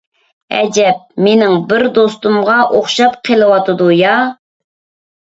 ئەجەب مېنىڭ بىر دوستۇمغا ئوخشاپ قېلىۋاتىدۇ يا.